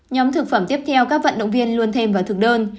nhóm thực phẩm tiếp theo các vận động viên luôn thêm vào thực đơn